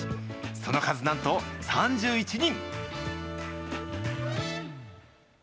その数なんと３１人。